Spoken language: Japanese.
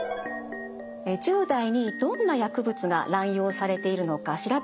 １０代にどんな薬物が乱用されているのか調べた調査結果です。